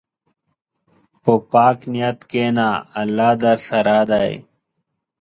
په پاک نیت کښېنه، الله درسره دی.